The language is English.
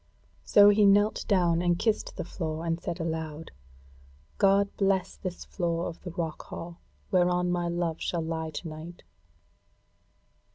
So he knelt down and kissed the floor, and said aloud: "God bless this floor of the rock hall whereon my love shall lie to night!"